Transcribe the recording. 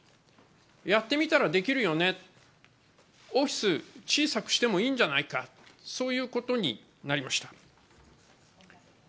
やってみたらできるよね、オフィス、小さくしてもいいんじゃないか、そういうことになりました。